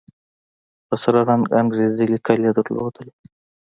په سره رنگ انګريزي ليکل يې درلودل.